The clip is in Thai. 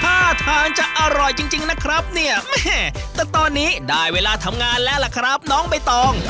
ท่าทางจะอร่อยจริงนะครับเนี่ยแม่แต่ตอนนี้ได้เวลาทำงานแล้วล่ะครับน้องใบตอง